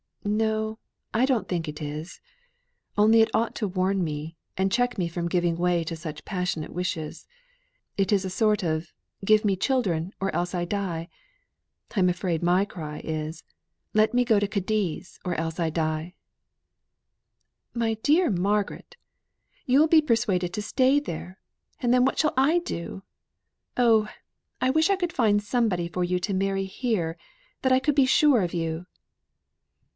"No, I don't think it is. Only it ought to warn me, and check me from giving way to such passionate wishes. It is a sort of 'Give me children, or else I die.' I'm afraid my cry is, 'Let me go to Cadiz, or else I die.'" "My dear Margaret! You'll be persuaded to stay there; and then what shall I do? Oh! I wish I could find somebody for you to marry here, that I could be sure of you!"